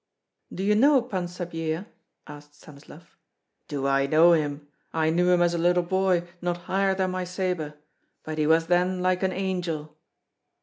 "Do you know Pan Sapyeha?" asked Stanislav. "Do I know him! I knew him as a little boy, not higher than my sabre. But he was then like an angel."